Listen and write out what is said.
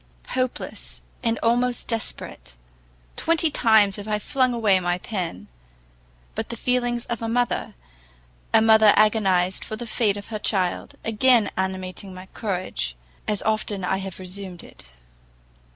Hopeless, and almost desperate, twenty times have I flung away my pen; but the feelings of a mother, a mother agonizing for the fate of her child, again animating my courage, as often I have resumed it.